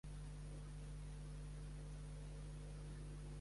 La Lucilla s'hi nega i la Dama finalment la mata.